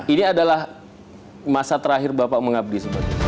ini adalah masa terakhir bapak mengabdi